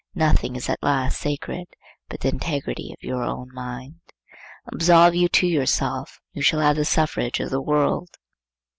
Nothing is at last sacred but the integrity of your own mind. Absolve you to yourself, and you shall have the suffrage of the world.